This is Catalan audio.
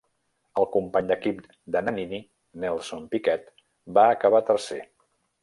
El company d'equip de Nannini, Nelson Piquet, va acabar tercer.